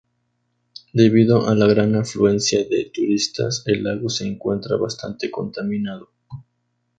Debido a la gran afluencia de turistas el lago se encuentra bastante contaminado.